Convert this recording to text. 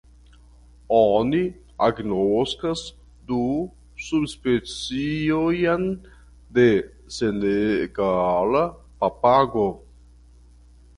Oni agnoskas du subspeciojn de senegala papago.